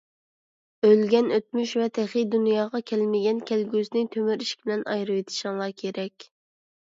ئۆلگەن ئۆتمۈش ۋە تېخى دۇنياغا كەلمىگەن كەلگۈسىنى تۆمۈر ئىشىك بىلەن ئايرىۋېتىشىڭلار كېرەك.